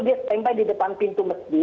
dia standby di depan pintu masjid